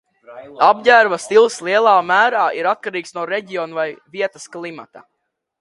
Apģērba stils lielā mērā ir atkarīgs no reģiona vai vietas klimata.